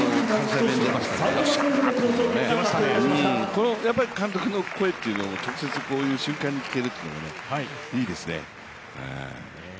この監督の声というのも、直接、こういう瞬間に聞けるのもいいですね。